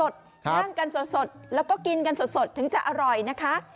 นั่งกันสดแล้วก็กินกันสดถึงจะอร่อยนะคะ